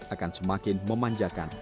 akan semakin memanjakan